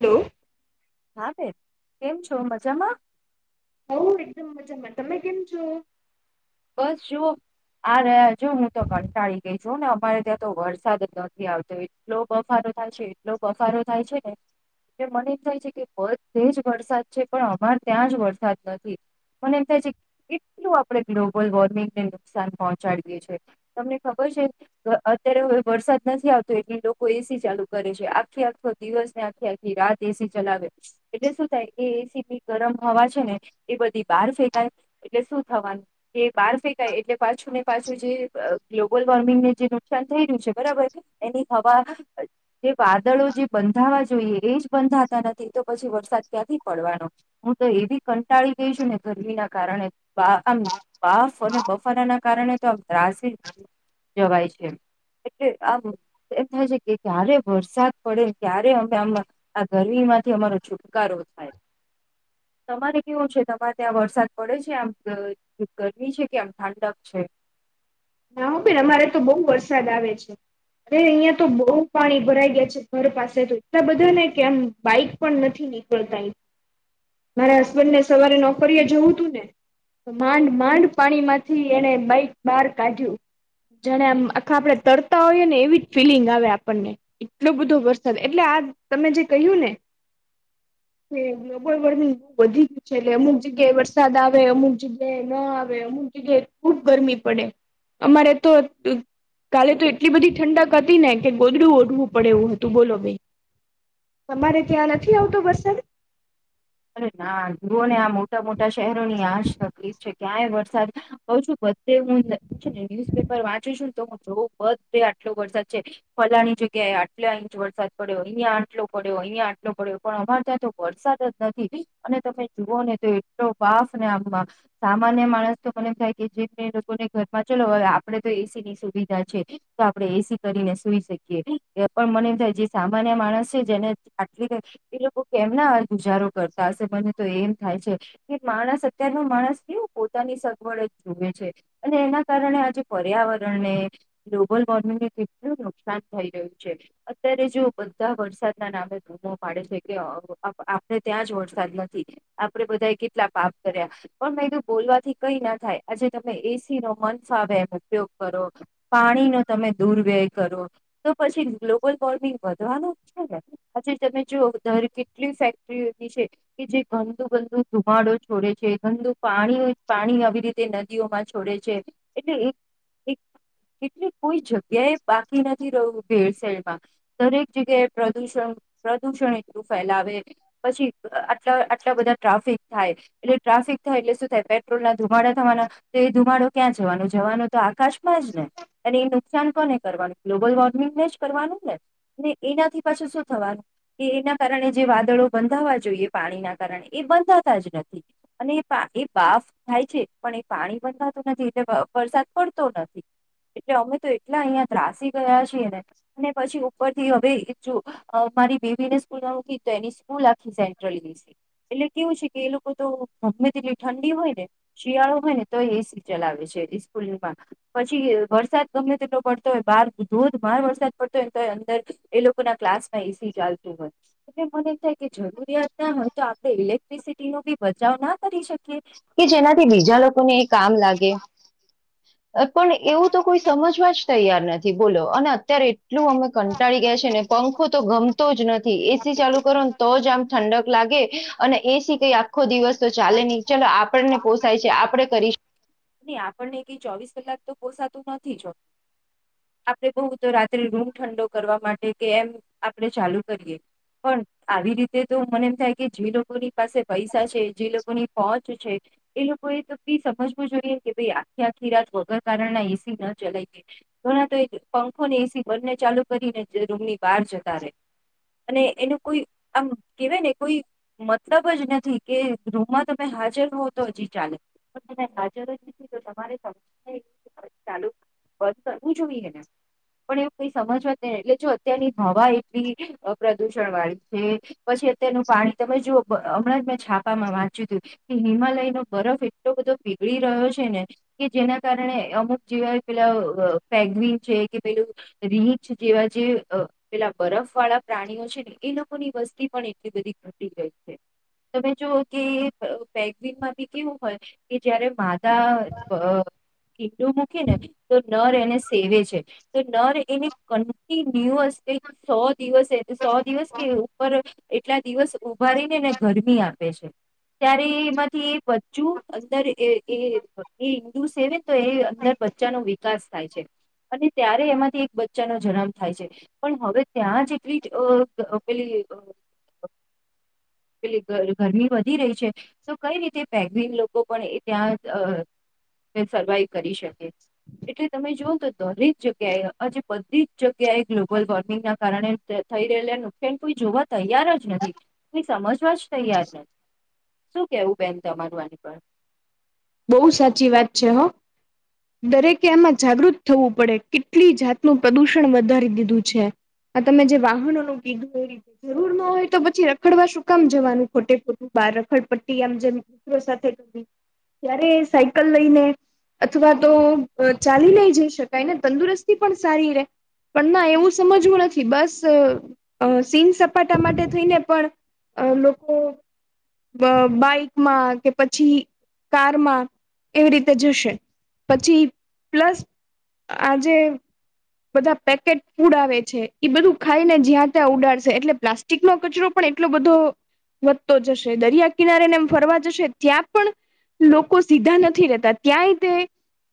લો. હા બેન, કેમ છો મજામાં? હઉ એકદમ મજામાં. તમે કેમ છો? બસ જુઓ. આ રહ્યા જો હું તો કટાળી ગઈ છું ને અમારે ત્યાં તો વરસાદ નથી આવતો. લો બફારો થાય છે એટલો બફારો થાય છે ને. એટ મને એ થાય છે કે બધે જ વરસાદ છે પણ અમાર ત્યાં જ વરસાદ નથી. મને એમ થાય છે કેટલું આપડે ગ્લોબલ વોર્મિંગને નુકસાન પહોંચાડીએ છીએ. તમને ખબર છે અત્યારે હવે વરસાદ નથી આવતો એટલે લોકો એ સી ચાલુ કરે છે આખી આખો દિવસ ને આખી ખી રાત એ સી ચલાવે. એટલે શું થાય એ એ સી પી ગરમ હવા છે ને એ બધી બહાર ફેંકાય. એટલે શું થવાનું એ બહાર ફેંકાય એટલે પાછું ને પાછું જે ગ્લોબલ વોર્મિંગને જે નુકસાન થઈ રહ્યું છે બરાબર. એની હવા જે વાદળો જે બંધાવા જોઈએ એજ બંધાતા નથી તો પછી વરસાદ ક્યાંથી પડવાનો. તો એવી કંટાળી ગઈ છે ને ગરમી ના કારણે આમ બાફ અને બફારા ના કારણે તો આમ ત્રાસી જવાય છે. એટલે આમ એમ થાય છે કે ક્યારે વરસાદ પડે ક્યારે અમે આમાં આ ગરમી માંથી અમારો છુટકારો થાય. તમારે કેવું છે તમારે ત્યાં વરસાદ પડે છે આમ ગરમી છે કે આમ ઠંડક છે? ના હો બેન અમારે તો બહુ વરસાદ આવે છે. અ અહિયાં તો બહુ પાણી ભરાઈ ગયા છે ઘર પાસે તો એટલા બધા ને કેમ બાઈક પણ નથી નીકળતા. [unintelligible] મારા હસબન્ડ ને સવારે નોકરી એ જવું તું ને માંડ માંડ પાણીમાંથી એને બાઈક બહાર કાઢ્યું. જાણેમ આખા આપડે તરતા હોઈએ ને એવી જ ફીલિંગ આવે આપણને. એટલો બધો વરસાદ એટલે આ તમે જે કહ્યું ને [unintelligible] કે બળબડ બધું વધી ગયું છે એટલે અમુક જગ્યાએ વરસાદ આવે, અમુક જગ્યાએ ન આવે, અમુક જગ્યાએ ખુબ ગરમી પડે. અમારે તો કાલે તો એટલી બધી ઠંડક હતી ને કે ગોદડું ઓઢવું પડે એવું હતું બોલો બેન. તમારે ત્યાં નથી આવતું વરસાદ? અરે ના જુઓ ને આ મોટા મોટા શહેરોની આજ તકલીફ છે ક્યાંય વરસાદ હઉ છું બધે હું ને ન્યુઝપેપર વાંચું છું ને તો હું જોઉં બધે આટલો વરસાદ છે ફલાની જગ્યાએ આટલા ઇંચ વરસાદ પડ્યો, અહીયાં આટલો પડ્યો, અહીયાં આટલો પડ્યો પણ અમારે ત્યાં તો વરસાદ જ નથી અને તમે જુઓ ને તો એટલો બાફ ને આમાં સામાન્ય માણસ તો મને એમ થાય કે જે લોકોને ઘરમાં ચલો હવે આપડે તો એ સી ની સુવિધા છે. તો આપડે એસી કરીને સુઈ શકીએ એ પણ મને એમ થાય જે સામાન્ય માણસ છે જેને આટલી એ લોકો કેમના ગુજારો કરતા હશે મને તો એમ થાય છે. કે માણસ અત્યારનો માણસ કેવું પોતાની સગવડ જ જોવે છે. અને એના કારણે આજે પર્યાવરણને ગ્લોબલ વોર્મિંગને કેટલું નુકસાન થઈ રહ્યું છે અત્યારે જો બધા વરસાદના નામે ગુમો પાડે છે કે અને ત્યાં જ વરસાદ નથી આપડે બધા એ કેટલા પાપ કર્યા પણ મે એ તોું બોલવાથી કઈ ના થાય આજે તમે એસી નો મન ફાવે એનો ઉપયોગ કરો પાણીનોો તમે દુરવ્યય કરો તો પછી ગ્લોબલ વોર્મિંગ વધવાનું છે ને પછી તમે જો ઘર કેટલી ફેક કે જે ગંદુ ગંદુ ધુમાડો છોડે છે ગંદુ પાણી પાણી આવી રીતે તે નદીઓમાં છોડે છે એટલે એટલી કોઈ જ એ બાકી નથી રહું ભેળસેેળમાં દરેક જગ્યાએ પ્રદુષણ પ્રદૂષણ એટલું ફેલાવે પછી આટલા આટલા બધા ટ્રાફિક થાય એટલે ટ્રાફિક થાય એટલે શું થાય પેટ્રોલ ના ધુમાડા થવાના તો એ ધુમાડો ક્યાં જવાનો જવાનો તો આકાશમાં જ ને અને એ નુકસાન કોને કરવાનું ગ્લોબલ વોર્મિંગને જ કરવાનું ને એનાથી પાછું શું થવાનું કે એના કારણે જે વાદળો બંધાવા જોઈએ પાણીના કારણે એ બંધાતા જ નથી અને એ બાફ થાય છે પણ એ પાણી બનતું નથી એટલે વરસાદ પડતો નથી. એટલે અમે તો એટલા અહિયાયા ત્રાસી ગયા છીએ અને પછી ઉપર થી હવે જો મારી બેબીને સ્કૂલ મૂકી તો એની હું લખી સેન્ટ્રલસી એટલે કેવું છે કે એ લોકો તો ગમે તેટલી ઠંડી હોય ને શિયાળો હોય ને તો એસી ચલાવે છે સ્કૂલમાં પછી વરસાદ ગમને તેટલો પડતો હોય બાર ધોધમાર વરસાદ પડતો હોય ને તો અંદર એ લોકો ના ક્લાસ માં એસી ચાલતું હોય એટલે મને થાય કે જરૂરિયાત ના હોય તો આપણે ઇલેક્ટ્રિસિટી નો બી બચાવ ના કરી શકીએ કે જેનાથી બીજા લોકોને એ કામ લાગે પણ એવું તો કોઈ સમજવા જ તૈયાર નથી બોલો અને અત્યારે એટલું અમે કંટાળી ગયા છે ને પંખો તો ગમતો જ નથી એસી ચાલુ કરો તો જ આમ ઠંડક લાગે અને એસીી કઈ આખો દિવસ તો ચાલે નહી ચાલ આપણને. કોસાય છે આપડણે કરીશ ન આપણને કઈ ચોવીસ કલાક તો કોસાતું નથી જો. આપડે બહુ તો રાત્રે રૂમ ઠંડો કરવા માટે કે એમ. આપણે ચાલુ કરીએ પણ. આવી રીતે તો મને એમ થાય કે જે લોકોની પાસે પૈસા છે જે લોકોની પહોચ છે. એ લોકોએ તો બી સમજવું જોઈએ કે ભાઈ આખી આખી રાત વગર કારણના એસી ન ચલાવી. ઘણા તો પંખો ને એસી બંને ચાલુ કરીને રૂમ ની. બાર જતા રહેે અને એનું કોઈ. આમ કેવાય ને કોઈ મતલબ જ નથી કે ગૃહમાં તમે હાજર. તો તો હજી ચાલે. પણ ત હાજર જ નથી તો તમારે સમ ચાલુ બંધ કરવું જોઈએને. પણ એવ કઈ સમજવા જ નહી એટલે જો અત્યારની હવા એટલી પ્રદૂષણ વાળી. પછી અત તેનું પાણી તમે જો હમણાં જ મેં છાપામાં વાંચ્યું હતું. કે હિમાલય નો બરફ એટલો બધો પીગળી રહ્યો છે ને કે જેના કારણે અમુક જેવા. પેલા ફેગવી છે કે પેું. રીંછ જેવા જે પેલા બરફ વાળા પ્રાણીઓ છે ને એનો. લોકો ની વસ્તી પણ એટલી બધી ઘટી ગઈ છે. તમે જુઓ કે પેગવીનમાં બી કેવું હોય કે જયારે મા. બધા કીડું મૂકી ને. તો નર એને સેવે છે તો નર એને કન્ટિન્યુઅસ. ક સો દિવસ સો દિવસ કે ઉપર એટલા દિવસ. ઉભાારી ને ને ગરમી આપે છે. ત્યારે એમાંથી એ બચ્ચું અંદર એ એ ઇન્દુ સેન તો એ અંદર. બચ્ચા નો વિકાસ થાય છે. અને ત્યારે એમાંથી એક બચ્ચાનો જન્મ થાય છે, પણ હવે ત્યાં જેટલી અ પેલી પેલી ગરમી વધી રહી છે. તો કઈ રીતે પેગવીન લોકો પણ એ ત્યાં સર્વાઈવ કરી શકે. એટલે તમે જુઓ તો દરેક જગ્યાએ આજે બધી જ જગ્યાએ ગ્લોબલ વોર્મિંગના કારણે થઈ રહેલા નુકસેન કોઈ જોવા તૈયાર જ નથી, કોઈ સમજવા જ તૈયાર નથી. શું કેવું બેન તમારું આની પર? બહુ સાચી વાત છે હો. દરેકે આમાં જાગૃત થવું પડે કેટલી જાતનું પ્રદુષણ વધારી દીધું છે. આ તમે જે વાહનો ન કીધું. જરૂર ન હોય તો પછી રખડવા શું કામ જવાનું ખોટે ખોટું બાર રખડ પટ્ટી આમ જેમ. મ સાથે ત્યારે સાયકલ લઈને. અથવા તો ચાલી નઈ જઈ શકાય ને તંદુરસ્તી પણ સારી રે. પણ ના એવું સમજવું નથી બસ અ સીન સપાટા માટે થઈને પણ. અ લોકો બ બાઈકમાં કે પછી કારમાં એવી રીતે જશે. પછી પ્લસ આજે બધા પેકેટ ફૂડ આવે છે એ બધું ખાઈને જ્યાં ત્યાં ઉડાડશે એટલે પ્લાસ્ટ. ટીકનો કચરો પણ એટલો બધો. વધતો જશે દરિયા કિનારેને એમ ફરવા જશે ત્યાં પણ. લોકો સીધા નથી રતા તાયે યતે.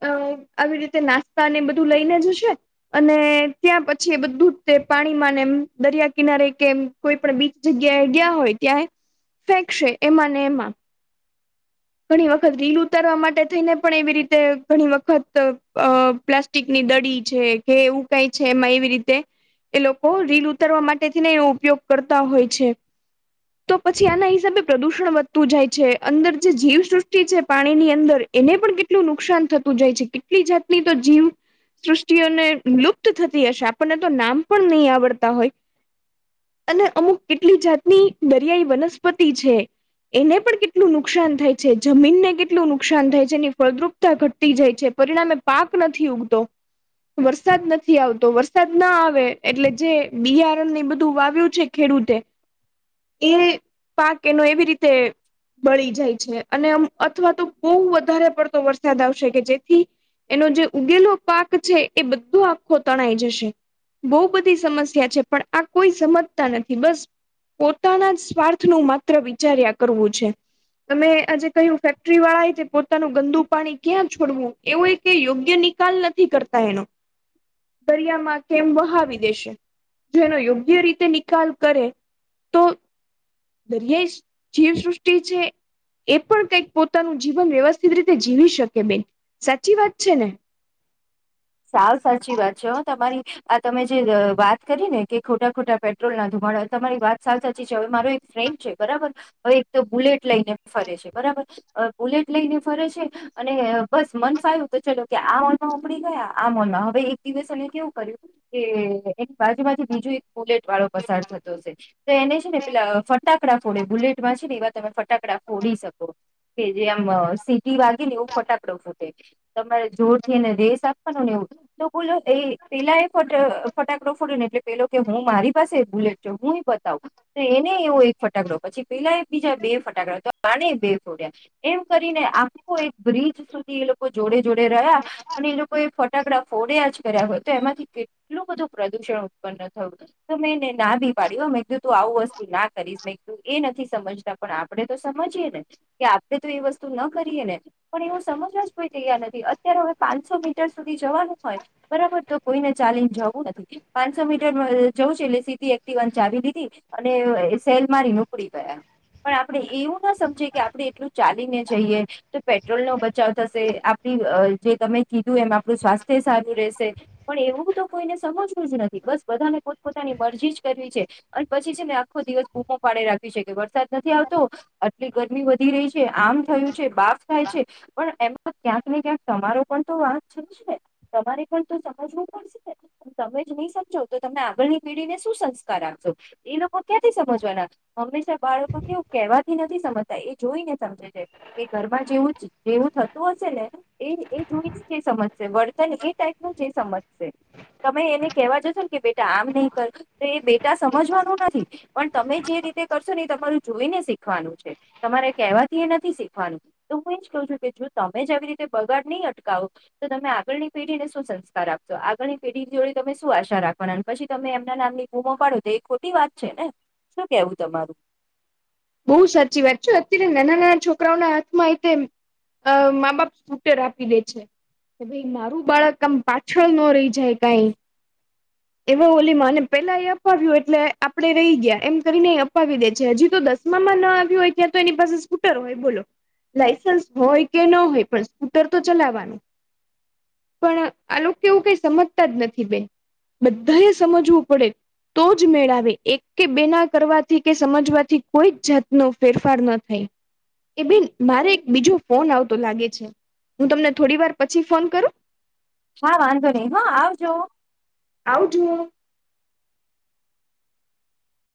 અ આવી રીતે નાસ્તા ને એ બધું લઈને જશે. અને ત્યાં પછી બધું જ તે પાણીમાં એમ દરિયા કિનારે કેમ. કોઈ પણ બીચ જગ્યાએ ગયા હોય ત્યાં ફેંકશે એમાં ને એમાં. [inaudible] ઘણી વખત રીલ ઉતારવા માટે થઈને પણ એવી રીતે ઘણી વખત અ પ્લાસ્ટ ટીકની દડી છે કે એવું કઈ છે એમાં એવી રીતે. એ લોકો રીલ ઉતારવા માટે થઈ ને એ ઉપયોગ કરતા હોય છે તો પછી આના હિસાબે પ્રદુષણ વધતું જાય છે અંદર જે જીવસૃષ્ટિ છે પાણી ની અંદર એને પણ કેટલું નુકસાન થતું જાય છે કેટલી જાતની તો જીવ સૃષ્ટિઓને લુપ્ત થતી હશે આપણને તો નામ પણ નહી આવડતા હોય અને અમુક કેટલી જાતની દરિયાઈ વનસ્પતિ છે એને પણ કેટલું નુકસાન થાય છે જમીનને કેટલું નુકસાન થાય છે એની ફળદ્રુપ ઘતી જાય છે પરિણામે પાક નથી ઉગતો, વરસા વરસાદ નથી આવતો વરસાદ ના આવે એટલે જે બિયારણ ની બધું વાવ્યું છે ખેડૂતે. [inaudible] એ પાક એનો એવી રીતે બળી જાય છે અને અથવા તો બહુ વધારે પડતો વરસાદ આવશે કે જેથી એનો જે ઉગેલો પાક છે એ બધો આખો તણાઈ જશે. બહુ બધી સમસ્યા છે પણ આ કોઈ સમજતા નથી બસ પોતાના જ સ્વાર્થ ન માત્ર વિચાર્યા કરવું છે. તમે આજે કહ્યું ફેક્ટરી વાળા એ પોતાનું ગંદુ પાણી ક્યાં છોડવું. એવો કે યોગ્ય નિકાલ નથી કરતા એનો. દરિયામાં કેમ વહાવી દેશે. જેનો યોગ્ય રીતે નિકાલ કરે, તો દરિયાઈ જીવસૃષ્ટિ છે. એ પણ કઈક પોતાનું જીવન વ્યવસ્થિત રીતે જીવી શકે બેન, સાચી વાત છે ને? સાવ સાચી વાત છે હ તમારી, આ તમે જે વાત કરી ને. કે ખોટા ખોટા પેટ્રોલ ના ધુમાડા તમારી વાત સાવ સાચી છે હવે મારો એક ફ્રેન્ડ છે બરાબર હવે એક તો બુલેટ લઈને ફરે છે બરાબર. બુલેટ લઈને ફરે છે, અને બસ મન ફાયું તો ચલો કે આ ઓમાં ઉપડી ગયા. આમનમાં હવે એક દિવસ અ કેવું કર્યું, કે એની બાજુમાંજ બીજું એક બુલેટ વાળો પસાર થતો છે તો એને છે ને પેલા ફટાકડા ફોડે બુલેટ માં છે ને એવા તમે ફટકડા ફોડી શકો. કે જે આમ સીટી વાગે ને એવો ફટાકડો ફૂટે તમારે જોરથી એને રેસ આ [unintelligible] તો બોલો એ પેલા એ ફટ ફટાકડો ફડ્યો ને એટલે પેલો કે હું મારી પાસે બુલેટ તો હું એ બતાવું એને એવો એક ફટાકડો પછી પેલા બીજા બે ફટાકડા તો આને બે ફોડ્યા એમ કરીને આખો એક બ્રિજ સુધી એ લોકો જોડે જોડે રહ્યા અને એ લોકો એ ફટાકડા ફોડ્યા જ કર્યા હોય તો એમાંથી કેટલું બધું પ્રદુષણ ઉત્પન્ન થયું હશે. તો મેં એને ના ભી પાડી મેં કીધું તું આવું વસ્તુ ના કરીશ મેં તું એ નથી સમજતા પણ આપડે તો સમજીયે ને કે આપડે તો એ વસ્તુ ન કરીએે ને પણ એવું સમજવા જ કોઈ તૈયાર નથી અત્યારે હવે પાંચસો મી ટર સુધી જવાનું હોય બરાબર તો કોઈને ચાલીને જવું નથી. પાંચસો મીટર જઉં છે એટલે સીધી એક્ટીવાની ચાવી લીધી અને સેલ મારીને ઊપડી ગયા પણ આપણે એવું ના સમજીએ કે આપણે એટલું ચાલીને જઈએ. તો પેટ્રોલ નો બચાવ થશે આપડી જે તમે કીધું એમ આપણું સ્વાસ્થ્ય સારું રહેશે. પણ એવું તો કોઈને સમજવું જ નથી બસ બધાને પોતપોતાની મરજી જ કરવી છે. અને પછી છે ને આખો દિવસ બૂમો પાડે રાખી શકે વરસાદ નથી આવતો. આટલી ગરમી વધી રહી છે આમ થયું છે બાફ થાય છે. પણ એમતો ક્યાંક ને ક્યાંક તમારો પણ તો વાક [unintelligible] ને તમારે પણ તો સમજવું પડશેને તમે જ નહી સમજો તો તમે આગળની પેઢી ને શું સંસ્કાર આપશો એ લોકો ક્યાંથી સમજવાના હંમેશા બાળકો કેવું કહેવાથી નથી સમજતા એ જોઈ ને સમજે છે. કે ઘરમાં જેવું જેવું થતું હશે ને એ જોઈને સમજશે વર્તન એ ટાઈપ નું જે સમજશે. તમે એને કેવા જશો ને કે બેટા આમ નહી કર તો એ બેટા સમજવાનું નથી. પણ તમે જે રીતે કરશો ને એ તમારું જોઈને શીખવાનું છે તમારે કેહેવાથી એ નથી શીખવાનું. તો હું એજ કહું છું કે જો તમે જ આવી રીતે બગાડ નહીં અટકાવો તો તમે આગળની પેઢી ને શું સંસ્કાર આપશો આગળની પેઢી જોડી તમે શું આશા રાખ વાના પછી તમે એમના નામની બૂમો પાાડો તો એ ખોટી વાત છે ને શું કેવું તમારું બહુ સાચી વાત છે અત્યારે નાના નાના છોકરાઓના હાથમાંઇતે અ મા બાપ સ્કૂટર આપી દે છે. કે ભાઈ મારું બાળક આમ પાછળ ન રહી જાય કઈ એવા ઓલી માં અને પેલા એ અપાવ્યું એટલે આપડે રહી ગયા એમ કરીને એ અપાવી દે છે હજુ તો દસ મામા ના આવ્યુ હોય ત્યાં તો એની પાસે સ્કૂટર હોય બોલો લાયસન્સ હોય કે ન હોય પણ સ્કૂટર તો ચલાવવાનું. પણ આ લોકો એવું કઈ સમજતા જ નથી બેન. બધા એ સમજવું પડે. તો જ મેળ આવે એક કે બેના કરવાથી કે સમજવાથી કોઈ જ જાતનો ફેરફાર ન થાય. એ બેન મારે એક બીજો ફોન આવતો લાગે છે હું તમને થોડી વાર પછી ફોન કરું હા વાંધો નહી હ આવજો. આવજુઓ